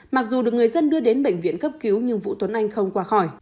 mặc dù được người dân đưa đến bệnh viện cấp cứu nhưng vũ tuấn anh không qua khỏi